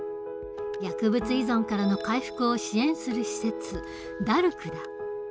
薬物依存からの回復を支援する施設ＤＡＲＣだ。